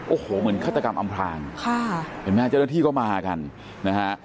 โอ้โหเหมือนฆาตกรรมอำพลางค่ะเห็นไหมฮะเจ้าหน้าที่ก็มากันนะฮะ